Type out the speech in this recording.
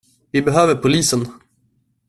Vi behöver polisen.